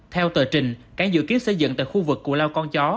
theo tờ trình cảng dự kiến xây dựng tại khu vực cụ lao con chó